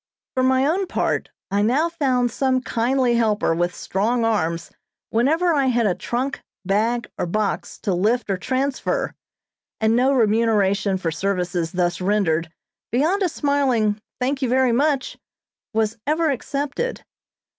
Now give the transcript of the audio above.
For my own part, I now found some kindly helper with strong arms whenever I had a trunk, bag, or box to lift or transfer, and no remuneration for services thus rendered beyond a smiling, "thank you very much," was ever accepted.